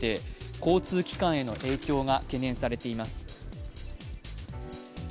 交通機関への影響が懸念されています。